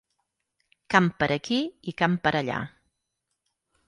Camp per aquí i camp per allà